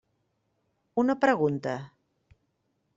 Una pregunta.